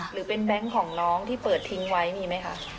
หรือเป็นแบงค์ของน้องที่เปิดทิ้งไว้มีไหมคะ